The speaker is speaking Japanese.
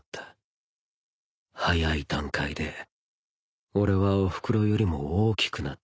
早い段階で俺はおふくろよりも大きくなった